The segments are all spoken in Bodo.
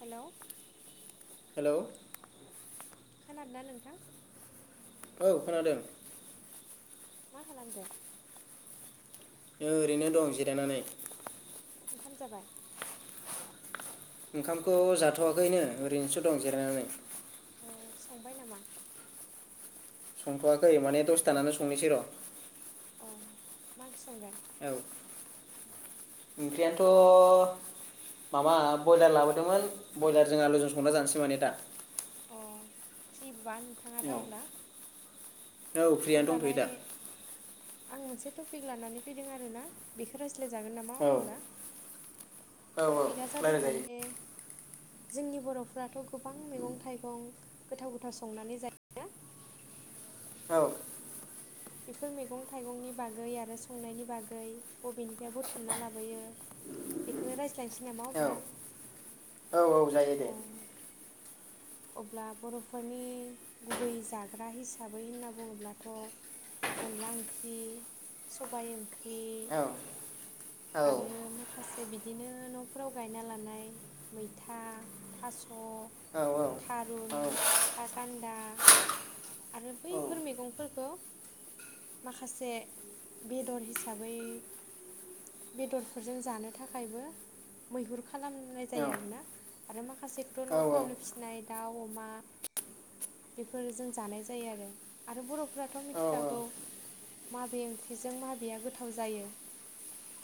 हेलौ। हेलौ। खानादों ना नोंथां। औ खोनादों। मा खालामदों। ओरैनो दं जिरायनानै। ओंखाम जाबाय। ओंखामखौ जाथवाखैनो ओरैनोसो दं जिरायनानै। अ संबाय नामा। संथवाखै माने दसे थानानै संनोसै र। अ मा ओंख्रि संगोन। औ ओंख्रि आनोथ। माबा ब्रयलार लाबोदोंमोन ब्रयलारजों आलुजों संना जानोसै माने दा अ फ्रिबा नोंथांङा औ दा अब्ला औ फ्रियानो दंथयो अब्लालाय दा आं मोनसे टपिक लानानै फैदों आरोना बेखौ राय ज्लायजागोन नामा औ अब्ला औ औ टपिकआ जादों रायलायजायो मानेे जोंनि बरफोराथ गोबां मैगं थाइगं गोथाव गोथाव संनानै जायो औ बेफोर मैगं थाइगंनि बागै आरो संनायनि बागै बबेनिफ्राय बुथुमना लाबोयो बेखौनो राय ज्लायनोसै नामा औ अब्ला औ औ जायो दे अ अब्ला बरफोरनि गुबै जाग्रा हिसाबै होनना बुङोब्लाथ अनला ओंख्रि सबायाइ ओंख्रि औ औ आरो मा माखासे बिदिनो नफोराव गायना लानाय मैथा थास औ औ थारुन थागान्दा आरो औ बैफोर मैगंफोरखौ माखासे बेदर हिसाबै बेदरफोरजों जानो थाखायबो मैहुर खालामनाय औ जायो आरोना आरो माखासे खासेखौथ औ औ नफोरावनो फिसिनाय दाउ अमा बेफोर जों जानाय जायो आरो आरो बरफो फ्राथ मिथिखागौ माबे ओंख्रिजों माबेया गोथाव जायो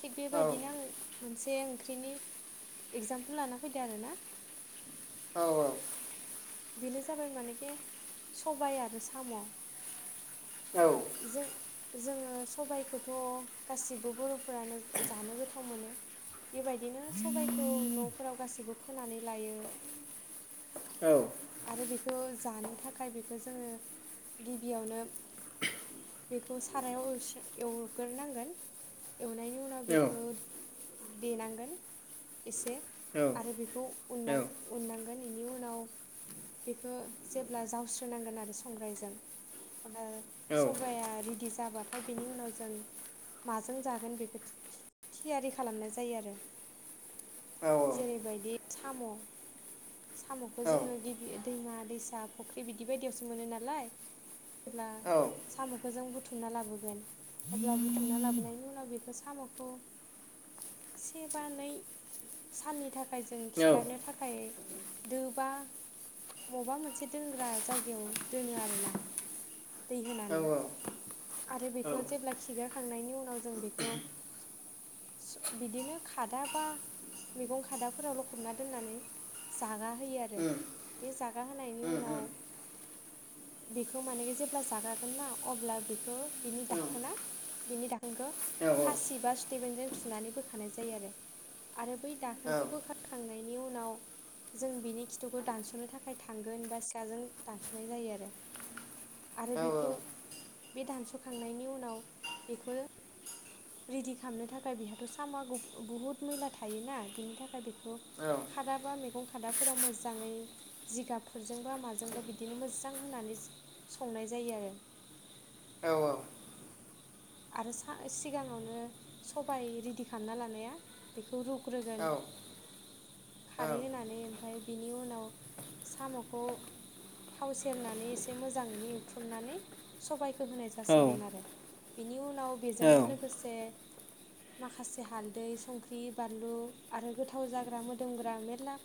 थिग बेबायदिनो आं मोनसे बे ओंख्रिनि इगजामपोल लाना फैदो आरो ना औ औ बेनो जाबाय मानेखि सबाय आरो साम जों जोङो सबायखौथ' गासिबो बर'फ्रानो जानो गोथाव मोनो बेबायदिनो सबायखौ न'फोराव गासैबो फोनानै लायो औ आरो बेखौ जानो थाखाय बेखौ जोङो गिबियावनो बेखौ सारायाव एसे एवग्रोनांगोन एवनायनि उनाव बेखौ देनांगोन एसे औ आरो बेखौ उननां औ उननांगोन इनि उनाव बेखौ जेब्ला जावस्रोनांगोन आरो संग्रायजों औ सबाया रेडि जाबाथाय बेनि उनाव जों माजों जागोन बेखौ थियारि खालामनाय जायो आरो जेरैबायदि साम' साम'खौ जोङो गिबि दैमा दैसा फुख्रि बिदि बायदियावसो मोनो नालाय जेब्ला औ साम'खौ जों बुथुम बुथुमना लाबोगोन अब्ला बुथुमना लाबोनायनि उनाव बेखौ साम'खौ से बा नै साननि थाखाय थाखाय जों खिगारनो थाखाय दो बा मबेबा मोनसे दोनग्रा जायगायाव दोनो आरोना दै औ होनानै आरो औ बेखौ उम जेब्ला खिगारखांनायनि उनाव जों बेखौ बिदिनो खादा बा मैगं खादाफोराव लखबना दोननानै जागा होयो आरो उम बे जागा होनायनि उनाव उम बेखौ माने जेब्ला जागागोन ना अब्ला बेखौ बिनि दाखोना बिनि दाख खोनखौ औ खासि बा सिपतिफिन जों थुनानै बोखानाय जायो आरो आरो बै दाखोनखौ बोखारखांनायनि उनाव जों बिनि [unintelligible] दानस'नो थाखाय थांगोन बा सिखाजों दानस'नाय जायो आरो आरो औ बेखौ बे दानस'खांनायनि उनाव बेखौ रेडि खालामनो थाखाय बेहाथ' साम'आ बुहुत मैला थायोना बिनि थाखाय बेखौ खादा बा मैगं खादा। फोराव मोजाङै जिगाबफोरजों बा माजोंबा बिदिनो मोजां होनानै संनाय जायो आरो [inaudible] औ औ आरो सिगाङावनो सबाय रेदि खालामना लानाया बेखौ रु ग्रोगोन खारै होनानै ओमफाय बेनि उनाव साम'खौ थाव सेरनानै एसे मोजाङैनो एवथ्रमनानै सबायखौ। होनाय जासिगोन आरो बेनि उनाव बेजोंनो लोगोसे माखासे हालदै संख्रि बानलु आरो गोथाव जाग्रा मोदोमग्रा मेला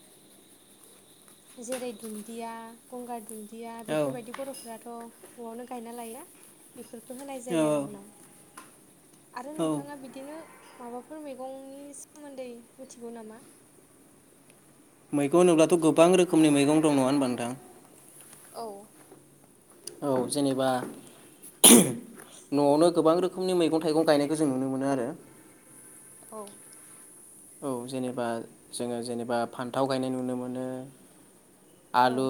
जेरै दुन्दिया गंगार दुन्दिया बिदिया औ बेफोरबायदि बर'फोराथ' न'आवनो गायना लायो बेफोरखौ होनाय औ जायो आरो उनाव आरो नोंथाङा बिदिनो माबाफोर मैगंनि सोमोन्दै मिथिगौ नामा? मैगं होनोब्लाथ' गोबां रोखोमनि मैगं दं नङा ओनबा नोंथां। औ औ जेनेबा न'आवनो गोबां रोखोम रोखोमनि मैगं थाइगं गायनायखौ जों नुनो मोनो आरो औ औ जेनेबा जोङो जेनेबा फान्थाव गायनाय नुनो मोनो। औ आलु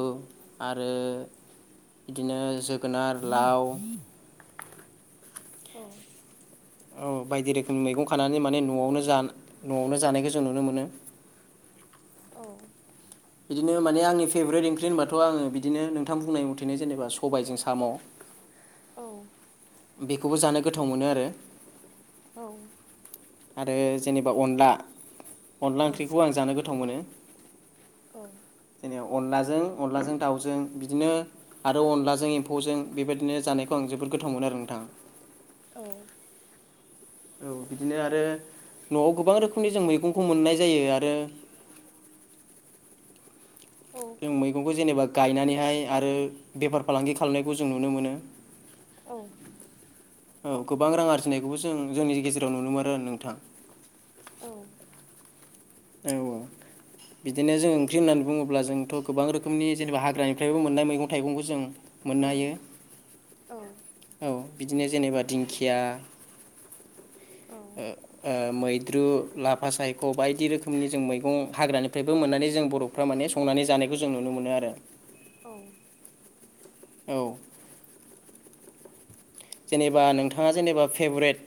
आरो बिदिनो जोगोनार लाव औ औ बायदि रोखोमनि मैगं खानानै माने न'आवनो न'आवनो जानायखौ जों नुनो मोनो। औ बिदिनो माने आंनि फेभरेट ओंख्रि होनबाथ आङो बिदिनो नोंथां बुंनाय मथेनो जेनेबा सबायजों साम' औ बेखौबो जानो गोथाव मोनो आरो औ औ आरो जेनेबा अनला अनला औ ओंख्रिखौ आं जानो गोथाव मोनो औ जोंनियाव अनलाजों अनलाजों दाउजों बिदिनो आरो अनलाजों एम्फौजों बेबायदिनो जानायखौ आं जोबोद गोथावमोनो आरो नोंथां। औ औ बिदिनो आरो नआव गोबां रोखोमनि जों मैगंखौ मोननाय जायो आरो [inaudible] औ जों मैगंखौ जेनेबा गायनानैहाय आरो बेफार फालांगि खालामनायखौ जों नुनो मोनो। औ औ गोबां रां आरजिनायखौबो जों जोंनि गेजेराव नुनोमोन आरो नोंथां। औ औ औ बिदिनो जों ओंख्रि होननानै बुङोब्ला जोंथ गोबां रोखोमनि जेनेबा हाग्रानिफ्रायबो मोननाय मैगं थाइगंखौ जों मोननो हायो औ बिदिनो जेनेबा दिंखिया औ ओ मै द्रु लाफा सायख बायदि रोखोम। रोखोमनि जों मैगं हाग्रानिफ्रायबो मोननानै जों बरफ्रा माने संनानै जानायखौ जों नुनो मोनो आरो औ औ जेनेबा नोंथाङा जेनेबा फेभरेट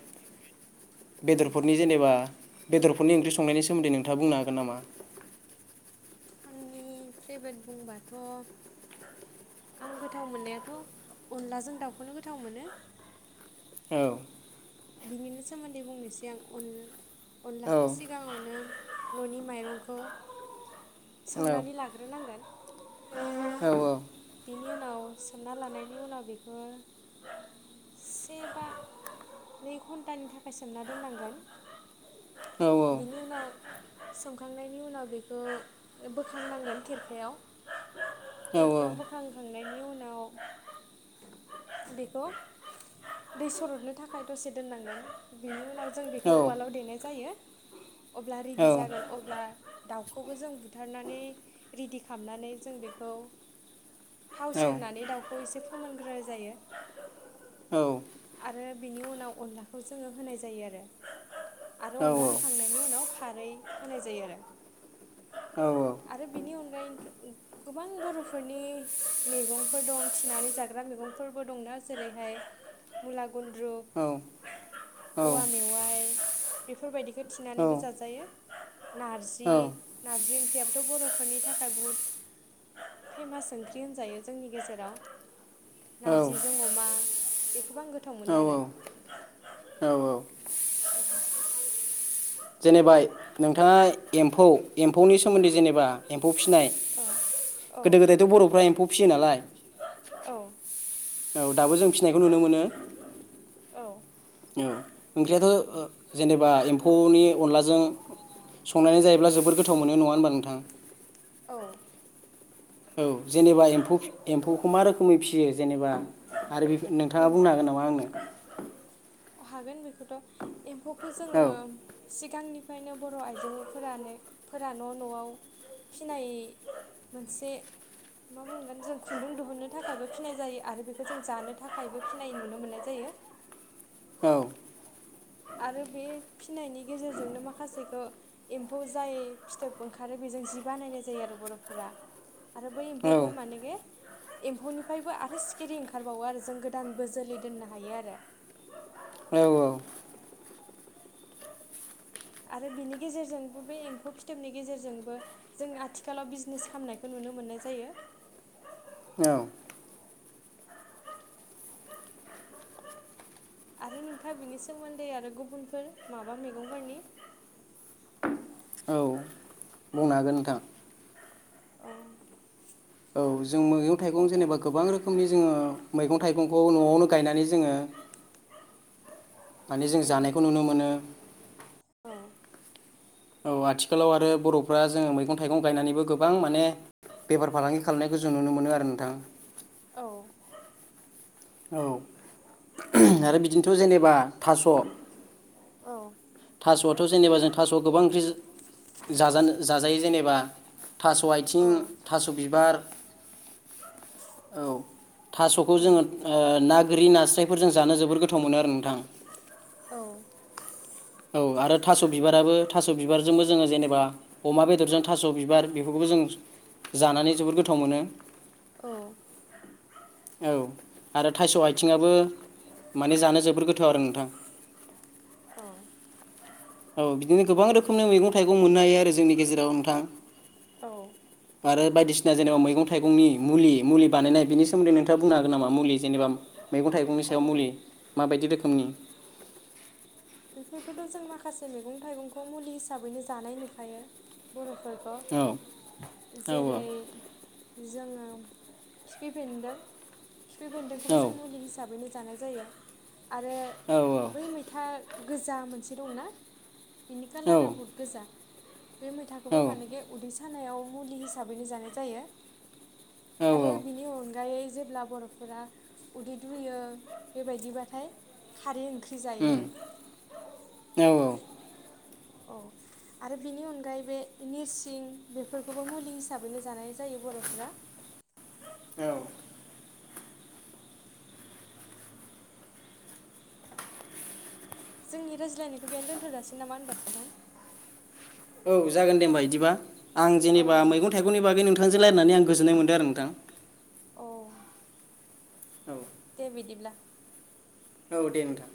बेदरफोरनि जेनेबा बेदरफोरनि ओंख्रि संनायनि सोमोन्दै नोंथाङा बुंनो हागोन नामा? आंनि फ्रेभेट बुंबाथ' आं गोथाव मोननायाथ' अनलाजों दाउखौनो गोथाव मोनो औ बिनिनो सोमोन्दै बुंनोसै आं औ अन-अनलाखौ सिगाङावनो ननि माइरंखौ सोमनानै लाग्रोनांगोन औ-औ बेनि उनाव सोमना लानायनि उनाव बेखौ से बा नै घन्टानि थाखाय सोमना दोननांगोन औ औ बेनि उनाव सोमखांनायनि उनाव बेखो बोखांनांगोन खेरखायाव औ खेरखायाव बोखांखां नायनि उनाव बेखौ दै सरदनो था खाय दसे दोननांगोन बेनि उनाव जों बेखौ उवालाव देनाय जायो। अब्ला रेडि जागोन अब्ला दाउखौबो जों बुथारनानै रेडि खामनानै जों बेखौ थाव सेरनानै दाउखौ एसे फोमोनग्रोनाय जायो। औ आरो बिनि उनाव अनलाखौ जोङो होनाय जायो आरो। आरो अनला होखांनायनि उनाव खारै होनाय जायो आरो। आरो बिनि अनगायैथ' गोबां बरफोरनि मेगंफोर दं थिनानै जाग्रा मेगंफोरबो दंना जेरैहाय मुला गुन्द्रुु‌ औवा मेवाइ बेफोरबायदि होथिनानैबो जाजायो। नारजि-नारजि ओंख्रियाब थ बरफोरनि थाखाय बुहुत फेमास ओंख्रि होनजायो जोंनि गेजेराव। नारजिजों अमा बेखौबो आं गोथाव औ मोनो आरो। औ जेनेबा नोंथाङा एम्फौ-एम्फौनि सोमोन्दै जेनेबा एम्फौ फिसिनाय औ गोदो गोदायथ' बर'फ्रा एम्फौ फिसियो नालाय। औ औ दाबो जों फिसिनायखौ नुनो मोनो। औ औ ओंख्रियाथ' ओ जेनेबा एम्फौनि। अनलाजों संनानै जायोब्ला जबोद गोथाव मोनो नङा होनबा नोंथां। औ। औ जेनेबा एम्फौ-एम्फौखौ मा रोखोमै फिसियो जेनेबा आरो बेफ नोंथाङा एम बुंनो हागोन नामा आंनो। हागोन बेखौथ' एम्फौखौ औ जोङो सिगांनिफायनो बर' आइजोफोरानो फोरा न'-न'आव फिनाय मोनसे मा बुंगोन जों खुन्दुं दिुहुननो थाखायबो फिनाय जायो आरो बेखौ जों जानो थाखायबो फिनाय नुनो मोननाय जायो। [inaudible] औ। आरो बे फिनायनि गेजेरजोंनो माखासेखो एम्फौ जाय फिथोब ओंखारो बेज जों जि बानायनाय जायो आरो बर'फोरा आरो बै औ एम्फौखौ माने बे एम्फौनिफायबो आरो सिखिरि ओंखारबावो आरो जों गोदानबो जोलै दोननो हायो आरो। [inaudible] औ आरो बिनि गेजेरजोंबो बे एम्फौ फिथोबनि गेजेरजोंबो जों आथिखालाव बिजनेस खालामामनायखौ नु नो मोननाय जायो। औ। आरो नोंथांङा बिनि सोमोन्दै आरो गुबुनफोर माबा मैगंफोरनि औ बुंनो हागोन नोंथां। औ औ जों मैगं थाइगं जेनेबा गोबां रोखोमनि जोङो मैगं थाइगंखौ न'आवनो गायनानै जोङो [inaudible] माने जों औ जानायखौ नुनो मोनो। औ आथिखालाव आरो बर'फ्रा जोङो मैगं थाइगं गायनानैबो गोबां माने बेफार फालांगि खालामनायखौ जों नुनो मोनो आरो नोंथां। औ औ आरो बिदिनोथ' जेनेबा थास' औ थास'आथ' जेनेबा जों थास'आ गोबां ओख्रिज जाजानो जाजायो जेनेबा थास' आथिं औ थास' बिबार [inaudible] औ थास'खौ जोङो ओ ना गोरि नास्रायफोर जों जानो जोबोर गोथाव मोनो आरो नोंथां। औ औ आरो थास' बिबाराबो थास' बिबार जोंबो जोंङो जेनेबा अमा बेदरजों थास' बिबार बेफोरखौबो जों जानानै जबोद गोथाव मोनो। औ औ आरो थाइस' आथिंआो माने जानो जोबोर गोथाव आरो नोंथां। औ औ बिदिनो गोबां रोखोमनि मैगं थाइगं मोननो हायो आरो जोंनि गेजेराव नोंथां। औ औ आरो बायदिसिना जेनेबा मैगं थाइगंनि मुलि मुलि बानाय बेनि सोमोन्दै नोंथाङा बुंनो हागोन नामा मुलि जेनेबा। मैगं थाइगंनि अ सायाव मुलि माबायदि रोखोमनि [inaudible] बेफोरखौथ' जों माखासे मैगं थाइगंखौ मुलि हिसाबैनो जानाय नुखायो बर' फोरखौ औ औ जेरै जोङो खिफि बेन्दों खिफि बेन्दोंखौबो औ जों औ मुलि हिसाबैनो जानाय जायो आरो औ बै मैथा गोजा मोनसे दंना बिनि खलारा बे मैथाखौबो माने उदै सानायाव मुलि हिसाबैनो जानाय जायो आरो बिनि अनगायै जेब्ला बर'फोरा उदै दुयो बेबायदिबथाय खारै ओं ओंख्रि उम जायोनो औ औ आरो बेनि अनगायै बे नोरसिं बेफोरखौबो मुलि हिसाबैनो जानाय जायो बर'फ्रा' औ जोंनि रायज्लायनायखौ बेनो दोन्थ'जासि नामा होनब नोंथां औ जागोन दे होमबा इदिबा आं औ जेनेबा दे मैगं थाइगंनि बागै नोंथांजों रायनानै आं गोजोन्नाय मोन्दों आरो नोंथां। औ औ दे बिदिब्ला औ दे नोंथां